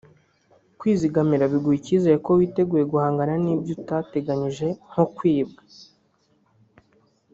Kwizigamira biguha icyizere ko witeguye guhangana n’ibyo utateganyije nko kwibwa